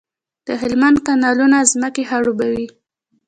د هلمند کانالونه ځمکې خړوبوي.